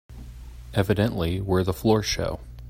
Evidently we're the floor show.